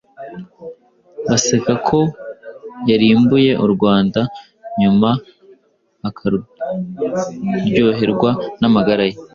Baseka ko yarimbuye u Rwanda Nyuma akaryoherwa n'amagara ye ,